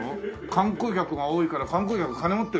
観光客が多いから観光客金持ってるよ。